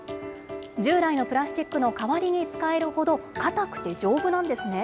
従来のプラスチックの代わりに使えるほど、硬くて丈夫なんですね。